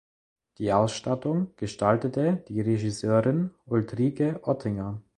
Die Ausstattung gestaltete die Regisseurin Ulrike Ottinger.